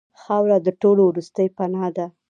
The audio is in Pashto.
خاوره د ټولو وروستۍ پناه ده.